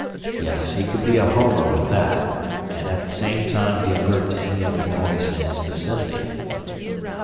Yes, he could be a homer with that, and at the same time be alert to any other noise in his vicinity.